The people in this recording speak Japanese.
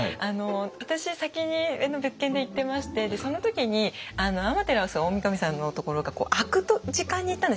私先に別件で行ってましてその時に天照大神さんのところが開く時間に行ったんですね。